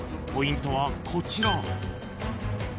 ［ポイントはこちら］